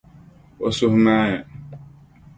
O suhu maaya.